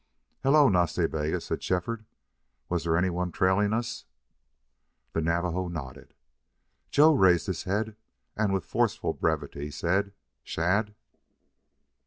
"Hello, Nas Ta Bega!" said Shefford. "Was there any one trailing us?" The Navajo nodded. Joe raised his head and with forceful brevity said, "Shadd."